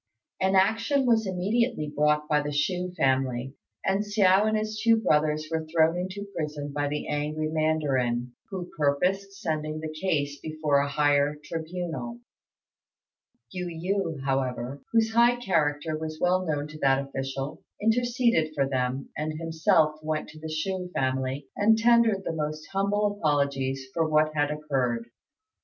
An action was immediately brought by the Chou family, and Hsiao and his two brothers were thrown into prison by the angry mandarin, who purposed sending the case before a higher tribunal. Yu yü, however, whose high character was well known to that official, interceded for them, and himself went to the Chou family and tendered the most humble apologies for what had occurred.